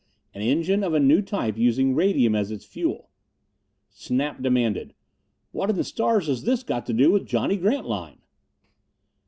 An engine of a new type, using radium as its fuel. Snap demanded, "What in the stars has this got to do with Johnny Grantline?"